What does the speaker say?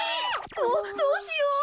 どうしよう。